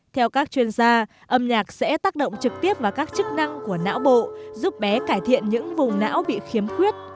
theo các chuyên gia âm nhạc sẽ tác động trực tiếp vào các chức năng của não bộ giúp bé cải thiện những vùng não bị khiếm khuyết